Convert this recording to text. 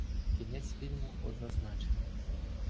Кінець фільму однозначний.